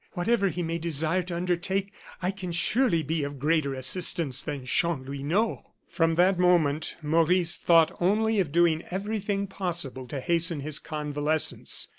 Whatever he may desire to undertake, I can surely be of greater assistance than Chanlouineau." From that moment Maurice thought only of doing everything possible to hasten his convalescence.